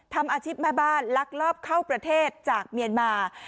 ทำอาชีพแม่บ้านลักลอบเข้าประเทศจากเมียนมา